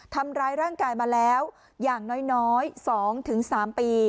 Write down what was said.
ทำร้ายร่างกายมาแล้วอย่างน้อย๒๓ปี